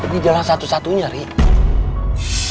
ini jalan satu satunya riz